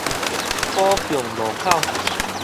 寶強路口